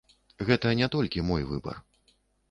Гэта не толькі мой выбар.